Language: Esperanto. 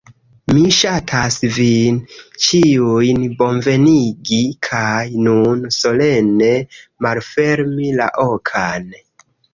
Mi ŝatas vin ĉiujn bonvenigi kaj nun solene malfermi la okan